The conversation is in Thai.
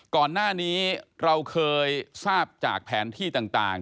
ก่อนหน้านี้เราเคยทราบจากแผนที่ต่าง